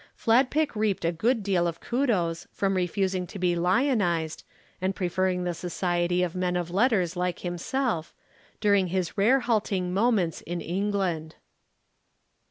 Fladpick reaped a good deal of kudos from refusing to be lionized and preferring the society of men of letters like himself, during his rare halting moments in England.